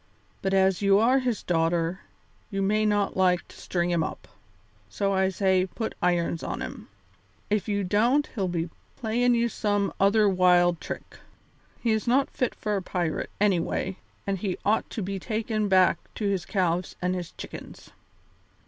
But as you are his daughter, you may not like to string him up, so I say put irons on him. If you don't he'll be playin' you some other wild trick. He is not fit for a pirate, anyway, and he ought to be taken back to his calves and his chickens."